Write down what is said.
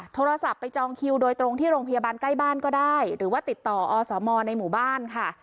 โทรศัพท์ไปจองคิวโดยตรงที่โรงพยาบาลใกล้บ้านก็ได้หรือว่าติดต่ออสมในหมู่บ้านค่ะ